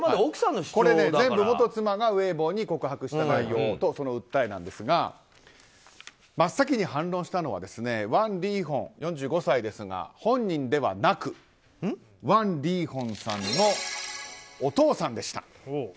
全部、元妻がウェイボーに告白した内容とその訴えなんですが真っ先に反論したのはワン・リーホン、４５歳ですが本人ではなくワン・リーホンさんのお父さんでした。